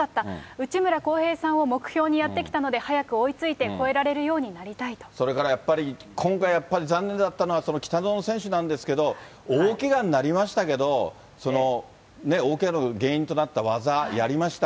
内村航平さんを目標にやってきたので、早く追いついて、それからやっぱり、今回、やっぱり残念だったのは、北園選手なんですけど、大けがになりましたけど、大けがの原因となった技やりました。